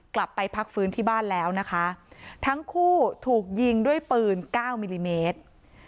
กลับไปพักฟื้นที่บ้านแล้วนะคะทั้งคู่ถูกยิงด้วยปืนเก้ามิลลิเมตร